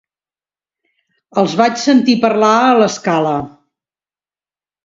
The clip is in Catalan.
Els vaig sentir parlar a l'escala.